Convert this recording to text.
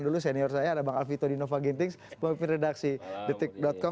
dulu senior saya ada bang alvito di nova gentings pemimpin redaksi detik com